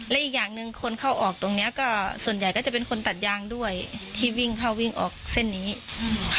และอีกอย่างหนึ่งคนเข้าออกตรงเนี้ยก็ส่วนใหญ่ก็จะเป็นคนตัดยางด้วยที่วิ่งเข้าวิ่งออกเส้นนี้ค่ะ